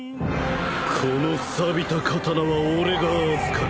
このさびた刀は俺が預かる。